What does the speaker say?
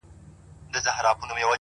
زخمي ـ زخمي سترګي که زما وویني؛